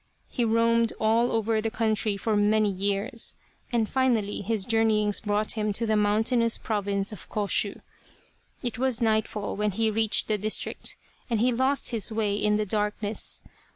He roamed all over the country for many years, and finally his journeyings brought him to the moun tainous province of Koshu. It was nightfall when he reached the district and he lost his way in the dark ness.